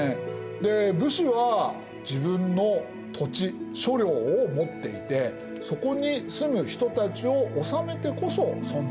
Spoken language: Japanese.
で武士は自分の土地所領を持っていてそこに住む人たちを治めてこそ存在意義があるわけです。